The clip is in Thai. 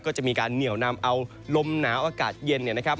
ก็จะมีการเหนียวนำเอาลมหนาวอากาศเย็นเนี่ยนะครับ